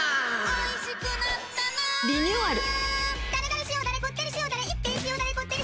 おいしくなったなリニューアル。